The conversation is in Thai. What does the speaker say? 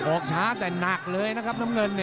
ออกช้าแต่หนักเลยนะครับน้ำเงิน